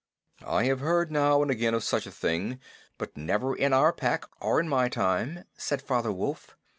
"I have heard now and again of such a thing, but never in our Pack or in my time," said Father Wolf.